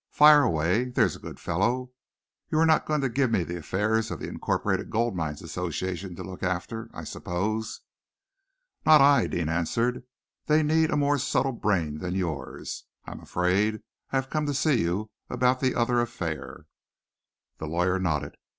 "Fire away, there's a good fellow. You are not going to give me the affairs of the Incorporated Gold Mines Association to look after, I suppose?" "Not I," Deane answered. "They need a more subtle brain than yours, I am afraid. I have come to see you about the other affair." The lawyer nodded.